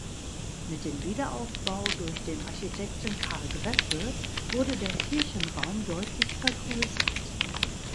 Mit dem Wiederaufbau durch den Architekten Karl Dressel wurde der Kirchenraum deutlich vergrößert.